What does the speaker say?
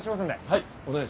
はい。